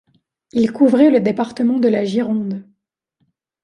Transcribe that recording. Il couvrait le département de la Gironde.